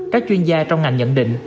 các chuyên gia trong ngành nhận định